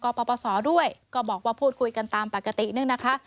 ปปศด้วยก็บอกว่าพูดคุยกันตามปกติเนี่ยนะคะ